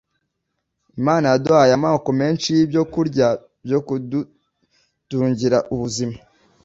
imana yaduhaye amoko menshi y'ibyokurya byo kudutungira ubuzima